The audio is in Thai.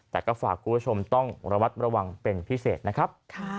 แต่ก็ฝากคุณผู้ชมต้องระวัดระวังเป็นพิเศษนะครับ